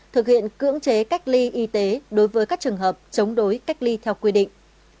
thực hiện cưỡng chế cách ly y tế đối với các trường hợp chống đối cách ly theo quy định